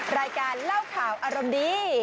รายการเล่าข่าวอารมณ์ดี